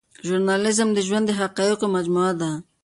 ژورنالیزم د ژوند د حقایقو مجموعه ده.